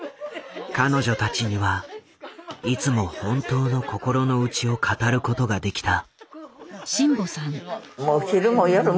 彼女たちにはいつも本当の心の内を語ることができた。